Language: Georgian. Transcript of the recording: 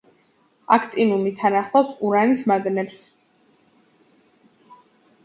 აქტინიუმი თან ახლავს ურანის მადნებს.